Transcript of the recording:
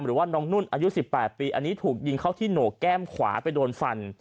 หรือว่าน้องนุ่นอายุ๑๘ปีอันนี้ถูกยิงเข้าที่โหนกแก้มขวาไปโดนฟัน